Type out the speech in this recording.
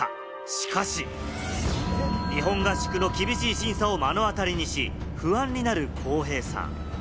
しかし、日本合宿の厳しい審査を目の当りにし、不安になるコウヘイさん。